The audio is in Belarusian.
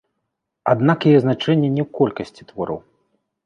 Аднак яе значэнне не ў колькасці твораў.